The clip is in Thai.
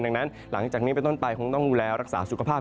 ดังนั้นหลังจากนี้เป็นต้นไปคงต้องดูแลรักษาสุขภาพ